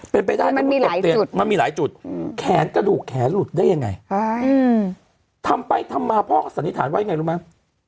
เป็นไปได้มันมีหลายจุดแขนกระดูกแขนหลุดได้ยังไงทำไปทำมาพ่อสันนิษฐานไว้ไงรู้ไหม